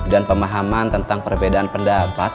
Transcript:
dan pemahaman tentang perbedaan pendapat